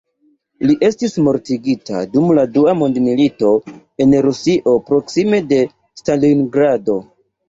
Li estis mortigita dum la Dua mondmilito en Rusio proksime de Stalingrado.